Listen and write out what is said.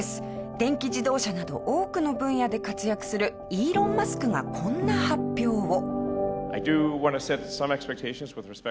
電気自動車など多くの分野で活躍するイーロン・マスクがこんな発表を。